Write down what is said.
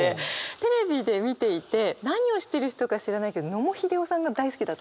テレビで見ていて何をしている人か知らないけど野茂英雄さんが大好きだったんですね。